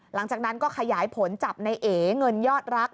หลังจากนั้นก็ขยายผลจับในเอเงินยอดรัก